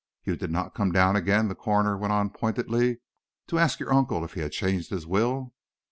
"You did not come down again," the coroner went on pointedly, "to ask your uncle if he had changed his will?"